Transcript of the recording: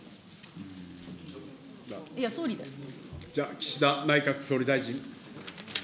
岸田内閣総理大臣。